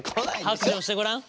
白状してごらん？